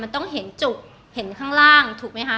มันต้องเห็นจุกเห็นข้างล่างถูกไหมคะ